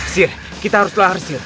sir kita harus lahir